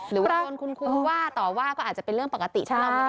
หรือว่าโดนคุณครูว่าต่อว่าก็อาจจะเป็นเรื่องปกติ